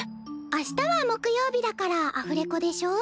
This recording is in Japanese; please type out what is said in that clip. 明日は木曜日だからアフレコでしょ。